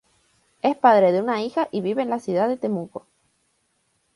Es padre de una hija y vive en la ciudad de Temuco.